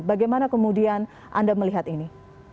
bagaimana kemudian anda melihat ini